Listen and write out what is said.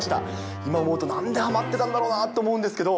今思うとなんではまってたんだろうなと思うんですけど。